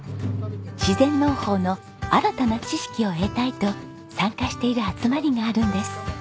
自然農法の新たな知識を得たいと参加している集まりがあるんです。